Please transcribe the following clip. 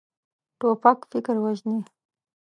توپک فکر وژني.